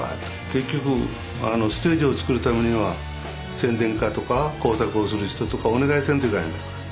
結局ステージを作るためには宣伝課とか工作をする人とかお願いせんといかんやないですか。